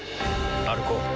歩こう。